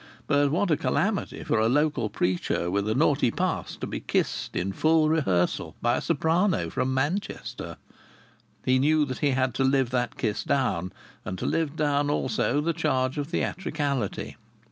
But what a calamity for a local preacher with a naughty past to be kissed in full rehearsal by a soprano from Manchester! He knew that he had to live that kiss down, and to live down also the charge of theatricality.